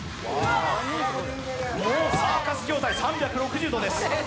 サーカス状態、３６０度です。